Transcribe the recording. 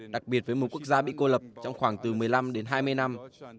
đặc biệt với một quốc gia bị cô lập trong khoảng từ một mươi năm đến hai mươi năm